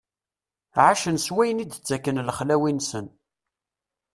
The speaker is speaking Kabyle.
Ɛacen s wayen i d-ttakken lexlawi-nsen.